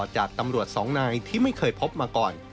จากตำรวจสองนายที่ไม่เคยพบมาก่อน